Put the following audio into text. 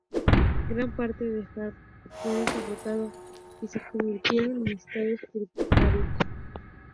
Gran parte de Harad fue derrotado y se convirtieron en estados tributarios.